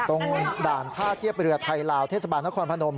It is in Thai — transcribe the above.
ด่านท่าเทียบเรือไทยลาวเทศบาลนครพนม